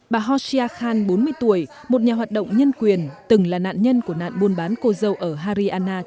bà hoshia khan bốn mươi tuổi một nhà hoạt động nhân quyền từng là nạn nhân của nạn buôn bán cô dâu ở haryana trước khi bị bỏ rơi